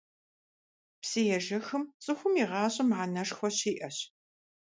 Псыежэхым цӀыхум и гъащӀэм мыхьэнэшхуэ щиӀэщ.